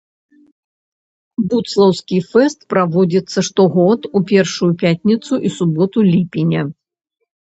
Будслаўскі фэст праводзіцца штогод у першую пятніцу і суботу ліпеня.